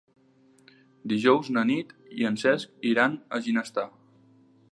Dijous na Nit i en Cesc iran a Ginestar.